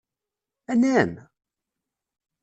Anɛam?